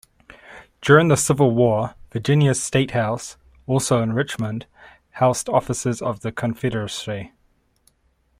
During the Civil War, Virginia's statehouse, also in Richmond, housed offices of the Confederacy.